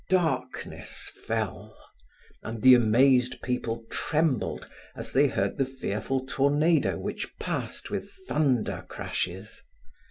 Darkness fell, and the amazed people trembled, as they heard the fearful tornado which passed with thunder crashes.